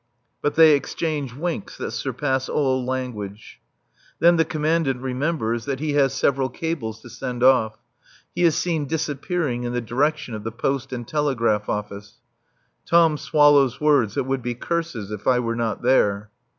But they exchange winks that surpass all language. Then the Commandant remembers that he has several cables to send off. He is seen disappearing in the direction of the Post and Telegraph Office. Tom swallows words that would be curses if I were not there.